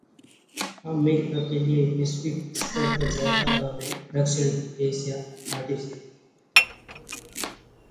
America के लिए वैश्विक स्तर पर ज्यादा अहम है दक्षिण एशिया: आर्मिटेज